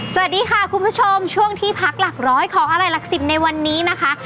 สวัสดีค่ะคุณผู้ชมช่วงที่พักหลักร้อยของอร่อยหลักสิบในวันนี้นะคะ